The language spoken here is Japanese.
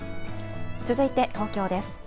続いて東京です。